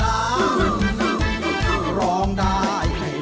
รายการต่อไปนี้เป็นรายการทั่วไปสามารถรับชมได้ทุกวัย